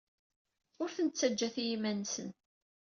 Ur ten-ttajjat i yiman-nsen.